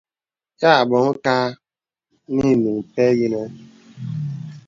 Yà bɔ̀ŋ kà nə inuŋ pɛ̂ yìnə̀.